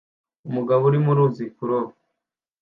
Umugabo uri mu ruzi kuroba